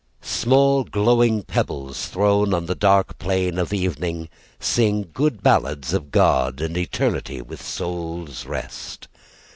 Small glowing pebbles Thrown on the dark plane of evening Sing good ballads of God And eternity, with soul's rest.